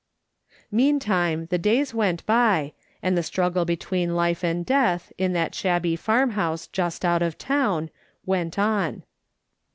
Meantime the days went by, and the struggle be tween life and death, in that shabby farm house just out of town, went on.